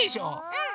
うん。